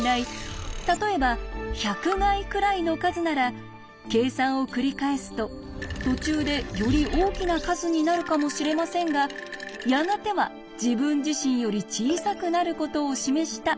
例えば１００垓くらいの数なら計算をくりかえすと途中でより大きな数になるかもしれませんがやがては自分自身より小さくなることを示したということを意味します。